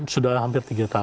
sudah hampir tiga tahun